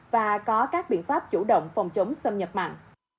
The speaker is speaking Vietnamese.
và có các biện pháp chủ động phòng chống xâm nhập mặn